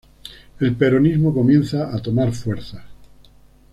El peronismo comienza a tomar fuerzas.